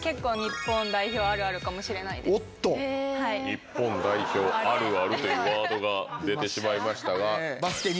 「日本代表あるある」というワードが出てしまいましたが。